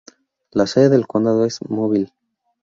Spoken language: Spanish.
La sede del condado es Mobile.